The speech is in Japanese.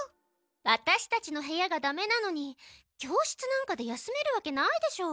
ワタシたちの部屋がダメなのに教室なんかで休めるわけないでしょ。